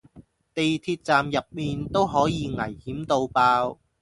地鐵站入面都可以危險到爆